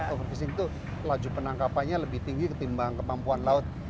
overfishing itu laju penangkapannya lebih tinggi ketimbang kemampuan laut